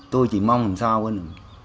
tôi chỉ mong làm sao con